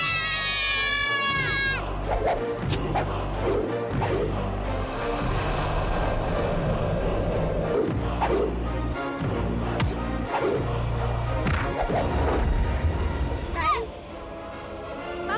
sudah aku tidak bawa bawa